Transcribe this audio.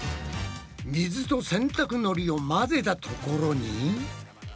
水と洗濯のりを混ぜたところに。